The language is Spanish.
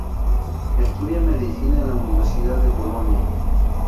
Estudia Medicina en la Universidad de Bolonia.